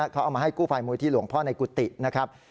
เขาเอามาให้กู้ภัยมูลที่หลวงพ่อในกุฏินะครับ